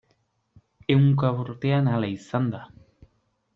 Ehunka urtean hala izan da.